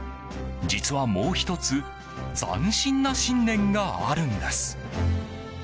実は、もう１つ斬新な信念があるんです。